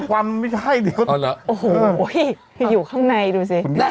ก็อยู่ข้างในดูซิ